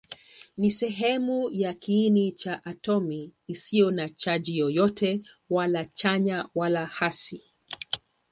Ni sehemu ya kiini cha atomi isiyo na chaji yoyote, wala chanya wala hasi.